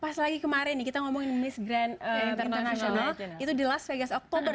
pas lagi kemarin kita ngomongin miss green international itu di las vegas oktober